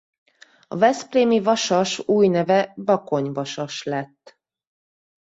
A Veszprémi Vasas új neve Bakony Vasas lett.